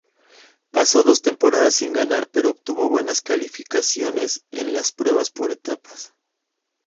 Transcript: Pasó dos temporadas sin ganar, pero obtuvo buenas clasificaciones en la pruebas por etapas.